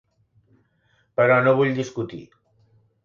Però no vull discutir.